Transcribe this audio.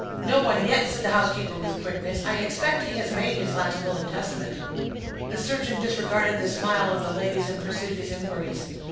"No one yet," said the housekeeper, with quickness. "I expect he has made his last will and testament." The surgeon disregarded the smile of the ladies, and pursued his inquiries.